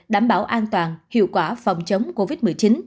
đảm bảo an toàn hiệu quả phòng chống covid một mươi chín